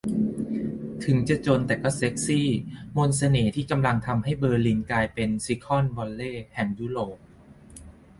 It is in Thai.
'ถึงจะจนแต่ก็เซ็กซี' มนต์เสน่ห์ที่กำลังทำให้เบอร์ลินกลายเป็น 'ซิลิคอนแวลลีย์' แห่งยุโรป